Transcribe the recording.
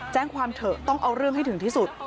แจ้งความเถอะต้องเอาเรื่องให้ถึงที่สุด